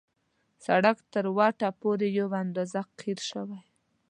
سړک تر وټه پورې یو اندازه قیر شوی.